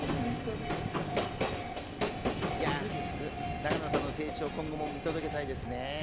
永野さんの成長を今後も見届けたいですね。